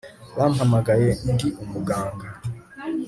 bampamagaye ndi umuganga